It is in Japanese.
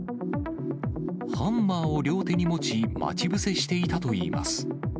ハンマーを両手に持ち、待ち伏せしていたといいます。